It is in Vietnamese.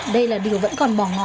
đây là điều vẫn còn bỏ ngỏ